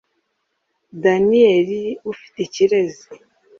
Daniel Ufitikirezi